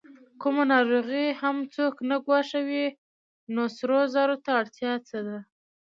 کومه ناروغي هم څوک نه ګواښي، نو سرو زرو ته اړتیا څه ده؟